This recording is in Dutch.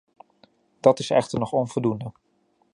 Dat is echter nog onvoldoende.